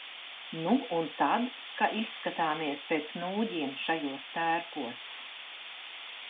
Nu un tad, ka izskatāmies pēc nūģiem šajos tērpos?